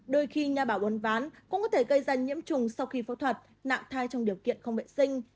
đôi khi nhà bảo uốn ván cũng có thể gây ra nhiễm trùng sau khi phẫu thuật nặng thai trong điều kiện không vệ sinh